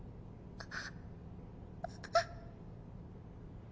あっ！